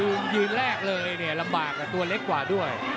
เพราะยืนแรกเลยลำบากตัวเล็กกว่าด้วย